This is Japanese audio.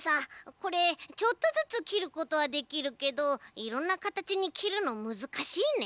これちょっとずつきることはできるけどいろんなカタチにきるのむずかしいね。